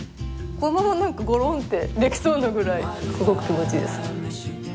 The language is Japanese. このままゴロンってできそうなぐらいすごく気持ちいいです。